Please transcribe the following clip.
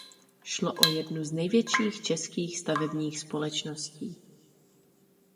Šlo o jednu z největších českých stavebních společností.